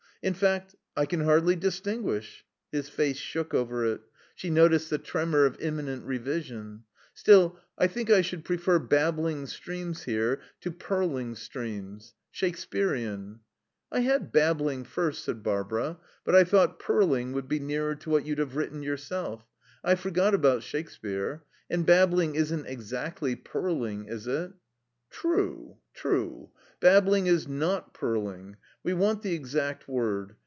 In fact, I can hardly distinguish " His face shook over it; she noticed the tremor of imminent revision. "Still, I think I should prefer 'babbling streams' here to 'purling streams.' Shakespearean." "I had 'babbling' first," said Barbara, "but I thought 'purling' would be nearer to what you'd have written yourself. I forgot about Shakespeare. And babbling isn't exactly purling, is it?" "True true. Babbling is not purling. We want the exact word.